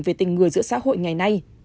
về tình người giữa xã hội ngày nay